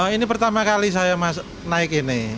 ini pertama kali saya naik ini